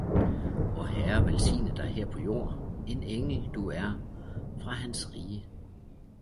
Vor herre velsigne dig her på jord, en engel du er fra hans rige